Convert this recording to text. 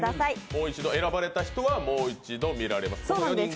もう一度選ばれた人はもう一度見られます。